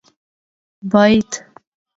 بيت